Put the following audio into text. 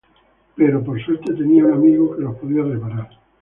Pero por suerte tenía un amigo que la podía reparar.